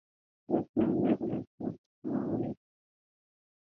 انګریزان د امیر له ځواک څخه ویرېدل.